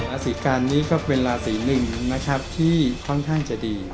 ราศีกันนี้ก็เป็นราศีหนึ่งนะครับที่ค่อนข้างจะดี